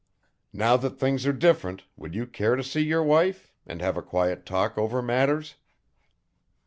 Now that things are different would you care to see your wife, and have a quiet talk over matters?"